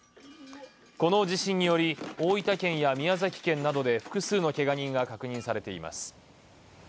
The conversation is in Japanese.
この地震により、大分県や宮崎県などで複数のけが人が確認されています。